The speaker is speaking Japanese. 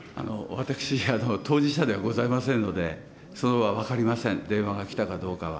私、当事者ではございませんので、それは分かりません、電話が来たかどうかは。